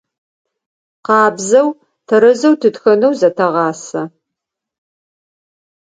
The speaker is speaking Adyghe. Къабзэу, тэрэзэу тытхэнэу зытэгъасэ.